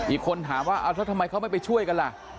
อีกคนถามว่าทำไมเขาไม่ไปช่วยกันล่ะ